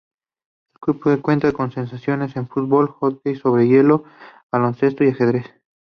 El club cuenta con secciones en fútbol, hockey sobre hielo, balonmano y ajedrez.